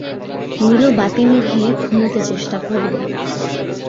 নীলু বাতি নিভিয়ে ঘুমুতে চেষ্টা করল।